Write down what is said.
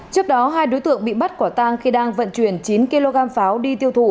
trước đó hai đối tượng bị bắt quả tang khi đang vận chuyển chín kg pháo đi tiêu thụ